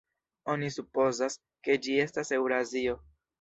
Oni supozas, ke ĝi estas Eŭrazio.